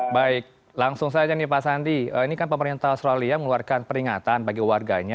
baik langsung saja nih pak sandi ini kan pemerintah australia mengeluarkan peringatan bagi warganya